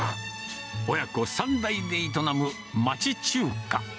親子３代で営む町中華。